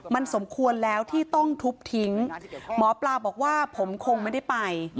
มันสมควรแล้วที่ต้องทุบทิ้งหมอปลาบอกว่าผมคงไม่ได้ไป